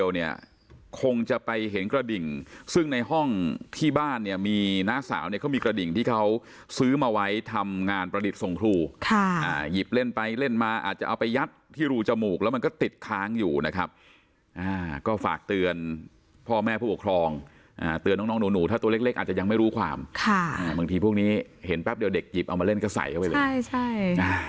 หยิบเล่นไปเล่นมาอาจจะเอาไปยัดที่รูจมูกแล้วมันก็ติดค้างอยู่นะครับก็ฝากเตือนพ่อแม่ผู้ปกครองเตือนน้องหนูถ้าตัวเล็กอาจจะยังไม่รู้ความบางทีพวกนี้เห็นแป๊บเดียวเด็กหยิบเอามาเล่นก็ใส่เข้าไปเลย